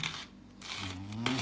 ふん。